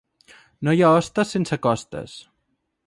No hi ha hostes sense costes.